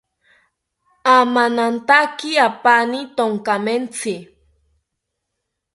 Amanantaki apani tonkamentzi